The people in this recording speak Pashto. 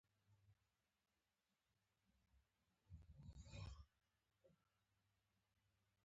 آیا سود په بانکونو کې شته؟